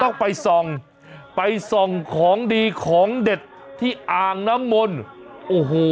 ต้องไปส่องไปส่องของดีของเด็ดที่อ่างน้ำมนต์โอ้โห